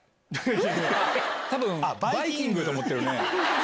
たぶん、バイキングと思ってるね。